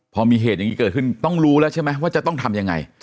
พอมีเหตุอย่างนี้เกิดขึ้นต้องรู้แล้วใช่ไหมว่าจะต้องทำยังไง